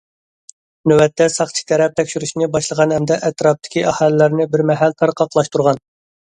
نۆۋەتتە، ساقچى تەرەپ تەكشۈرۈشنى باشلىغان ھەمدە ئەتراپتىكى ئاھالىلەرنى بىر مەھەل تارقاقلاشتۇرغان.